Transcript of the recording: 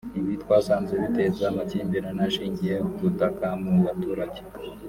ibi twasanze biteza amakimbirane ashingiye ku butaka mu baturage